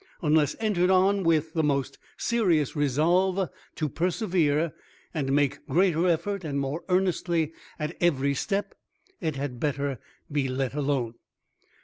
Unless entered on with the most serious resolve to persevere, and make greater effort and more earnestly at every step, it had better be let alone.